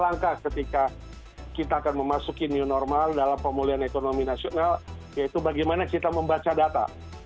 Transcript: langkah ketika kita akan memasuki new normal dalam pemulihan ekonomi nasional yaitu bagaimana kita membaca data